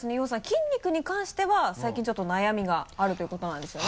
筋肉に関しては最近ちょっと悩みがあるということなんですよね。